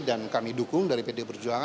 dan kami dukung dan kami berharga